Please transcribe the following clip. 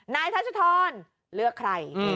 ทัชธรเลือกใคร